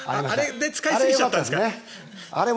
あれで使いすぎちゃったんですか？